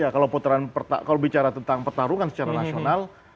kalau bicara tentang pertarungan secara nasional